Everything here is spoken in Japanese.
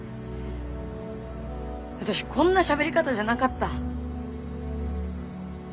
私こんなしゃべり方じゃなかった。